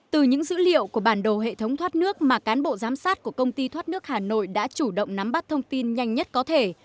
từ những dữ liệu của bản đồ hệ thống thoát nước mà cán bộ giám sát của công ty thoát nước hà nội đã chủ động nắm bắt thông tin nhanh nhất có thể